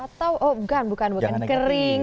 atau oh bukan bukan bukan kering